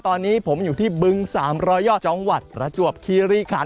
ตอนนี้ผมอยู่ที่บึง๓๐๐ยอดจังหวัดประจวบคีรีคัน